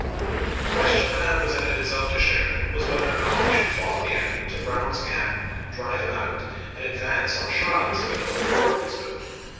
The question that now presented itself to Sheri dan was whether or not he should follow the en emy to Brown's Gap, drive him out, and advance on Charlottesville and Gordonsville.